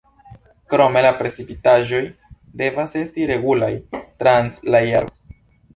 Krome la precipitaĵoj devas esti regulaj trans la jaro.